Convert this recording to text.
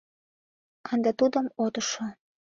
Ынде тудым от ушо...